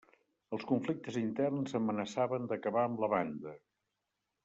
Els conflictes interns amenaçaven d'acabar amb la banda.